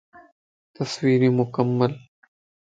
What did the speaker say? تصويريون موڪل